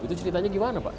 itu ceritanya gimana pak